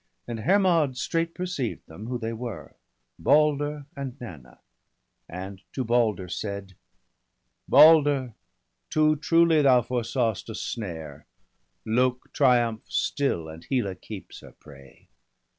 And Hermod straight perceived them, who they were, Balder and Nanna; and to Balder said: —' Balder, too truly thou foresaw' st a snare 1 Lok triumphs still, and Hela keeps her prey.